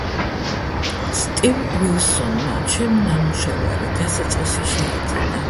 სტივ უილსონმა ჩემი ნამუშევარი „დასაწყისი“ შეიძინა.